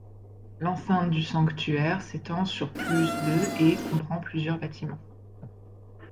L'enceinte du sanctuaire s'étend sur plus de et comprend plusieurs bâtiments.